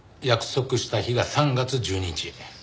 約束した日が３月１２日。